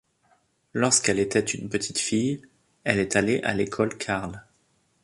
Lorsqu'elle était une petite fille, elle est allée à l'école Karl.